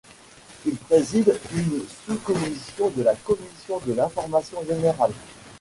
Il préside une sous-commission de sa commission de l'information générale.